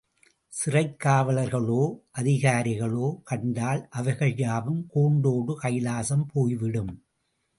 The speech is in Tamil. சிறைக்காவலர்களோ அதிகாரிகளோ கண்டால் அவைகள் யாவும் கூண்டோடு கைலாசம் போய்விடும்!